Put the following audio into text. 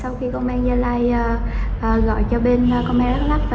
sau khi công an gia lai gọi cho bên công an đắk lắp